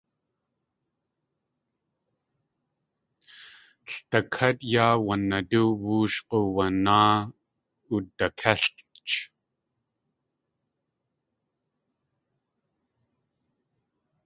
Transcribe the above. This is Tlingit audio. Ldakát yáa wanadóo woosh g̲uwanáa udakéilʼch.